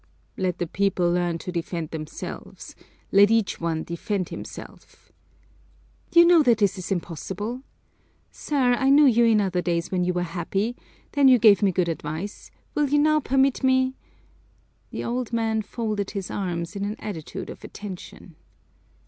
"Let the people learn to defend themselves, let each one defend himself!" "You know that that is impossible. Sir, I knew you in other days when you were happy; then you gave me good advice, will you now permit me " The old man folded his arms in an attitude of attention.